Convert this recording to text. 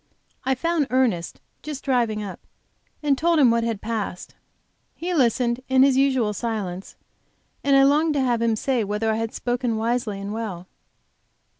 I found Ernest just driving up, and told him what had passed. He listened in his usual silence, and I longed to have him say whether I had spoken wisely and well.